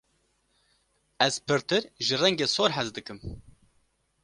Ez pirtir ji rengê sor hez dikim.